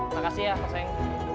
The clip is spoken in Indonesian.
makasih ya kok sayang